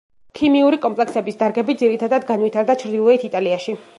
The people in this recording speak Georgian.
ქიმიური კომპლექსების დარგები ძირითადად განვითარდა ჩრდილოეთ იტალიაში.